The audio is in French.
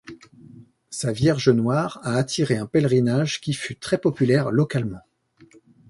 Sa Vierge noire a attiré un pèlerinage qui fut très populaire localement.